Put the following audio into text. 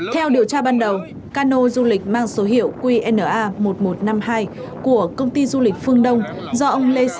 theo điều tra ban đầu cano du lịch mang số hiệu qna một nghìn một trăm năm mươi hai của công ty du lịch phương đông do ông lê sơn